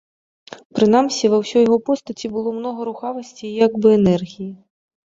Прынамсі, ва ўсёй яго постаці было многа рухавасці і як бы энергіі.